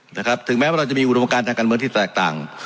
นะครับถึงแม้ว่าเราจะมีอุดมการทางการเมืองที่แตกต่าง